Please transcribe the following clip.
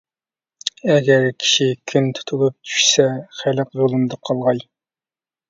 ئەگەر كىشى كۈن تۇتۇلۇپ چۈشىسە، خەلق زۇلۇمدا قالغاي.